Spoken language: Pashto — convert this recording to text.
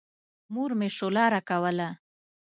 مور مې شوله راکوله.